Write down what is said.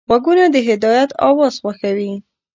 غوږونه د هدایت اواز خوښوي